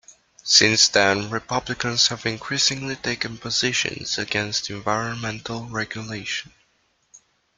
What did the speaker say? Since then Republicans have increasingly taken positions against environmental regulation.